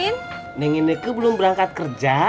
neng ineke belum berangkat kerja